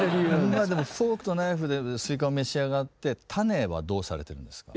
まあでもフォークとナイフでスイカを召し上がって種はどうされてるんですか？